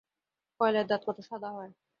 কয়লায় দাঁত কত সাদা হয়!